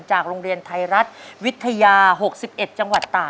โรงเรียนไทยรัฐวิทยา๖๑จังหวัดตาก